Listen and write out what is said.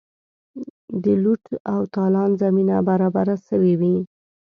د لوټ او تالان زمینه برابره سوې وي.